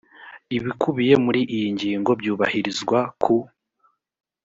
ibikubiye muri iyi ngingo byubahirizwa ku